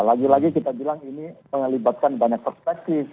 lagi lagi kita bilang ini mengelibatkan banyak perspektif